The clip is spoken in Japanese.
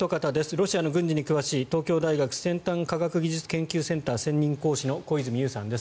ロシアの軍事に詳しい東京大学先端科学技術研究センター専任講師の小泉悠さんです。